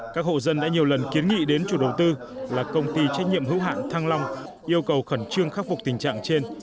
các hộ dân đã nhiều lần kiến nghị đến chủ đầu tư là công ty trách nhiệm hữu hạn thăng long yêu cầu khẩn trương khắc phục tình trạng trên